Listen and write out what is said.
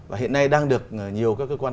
và hiện nay đang được nhiều các cơ quan